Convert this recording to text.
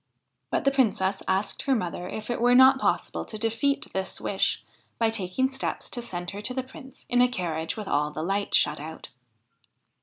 But the Princess asked her mother if it were not possible to defeat this wish by taking steps to send her to the Prince in a carriage with all the light shut out.